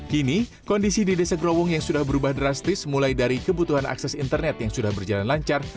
kini kondisi di desa growung yang sudah berubah drastis mulai dari kebutuhan akses internet yang sudah berjalan lancar